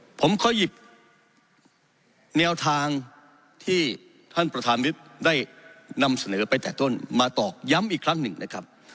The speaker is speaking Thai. ผมขอหยิบแนวทางที่ท่านประธานวิทย์ได้นำเสนอไปแต่ต้นมาตอกย้ำอีกครั้งหนึ่งนะครับ